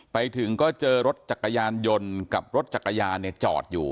ไปถึงก็เจอรถจักรยานยนต์กับรถจักรยานจอดอยู่